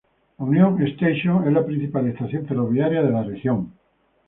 La Union Station es la principal estación ferroviaria de la región.